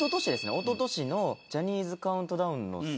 おととしのジャニーズカウントダウンの際に。